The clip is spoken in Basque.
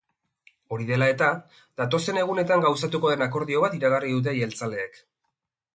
Hori dela eta, datozen egunetan gauzatuko den akordio bat iragarri dute jeltzaleek.